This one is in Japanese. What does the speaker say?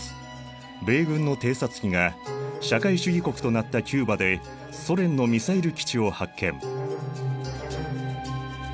米軍の偵察機が社会主義国となったキューバでソ連のミサイル基地を発見。